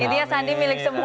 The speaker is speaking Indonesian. ini ya sandi milik semua ya om